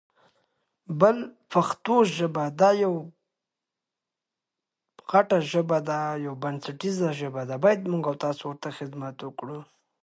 چار مغز د افغانستان طبعي ثروت دی.